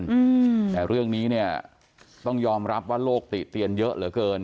อืมแต่เรื่องนี้เนี้ยต้องยอมรับว่าโลกติเตียนเยอะเหลือเกิน